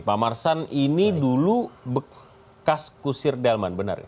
pak marsan ini dulu bekas kusir delman benar ya